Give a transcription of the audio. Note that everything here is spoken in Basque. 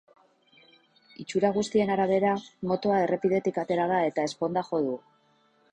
Itxura guztien arabera, motoa errepidetik atera da eta ezponda jo du.